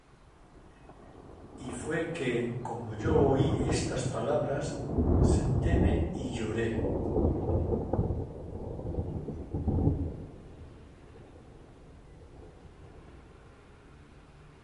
Y fué que, como yo oí estas palabras, sentéme y lloré,